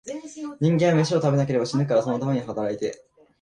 人間は、めしを食べなければ死ぬから、そのために働いて、